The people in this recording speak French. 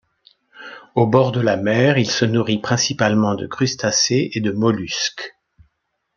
Au bord de la mer, il se nourrit principalement de crustacés et de mollusques.